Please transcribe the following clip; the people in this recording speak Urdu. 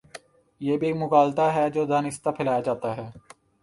یہ بھی ایک مغالطہ ہے جو دانستہ پھیلایا جا تا ہے۔